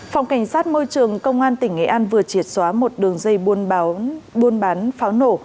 phòng cảnh sát môi trường công an tỉnh nghệ an vừa triệt xóa một đường dây buôn bán buôn bán pháo nổ